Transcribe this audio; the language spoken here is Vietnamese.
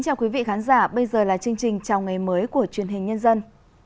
chào quý vị khán giả bây giờ là chương trình chào ngày mới của truyền hình nhân dân